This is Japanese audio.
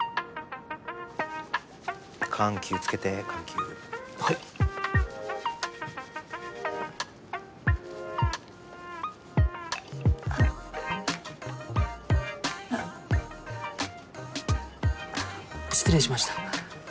緩急つけて緩急はいあっ失礼しました